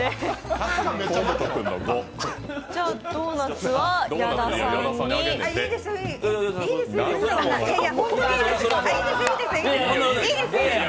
じゃあ、ドーナツは矢田さんに。